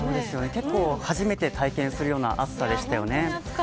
結構、初めて体験するような暑さでしたよね。